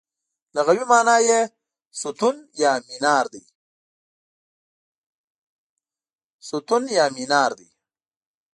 لغوي مانا یې ستون یا مینار دی.